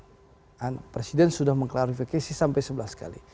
dan presiden sudah mengklarifikasi sampai sebelas kali